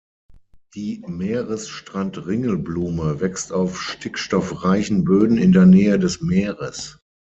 Die Meeresstrand-Ringelblume wächst auf stickstoffreichen Böden in der Nähe des Meeres.